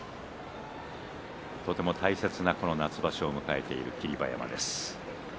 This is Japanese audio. とても大切な夏場所を迎えている霧馬山です。